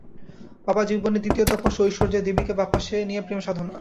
বাবা, জীবনের দ্বিতীয় তপস্যা ঐশ্বর্যের, দেবীকে বাঁ পাশে নিয়ে প্রেমসাধনা।